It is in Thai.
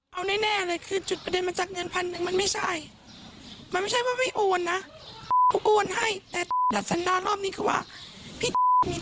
กูจะเอารถกูกูจะไปไว้ไซแนนซ์กูจะได้มีชีวิตที่ดีกว่านี้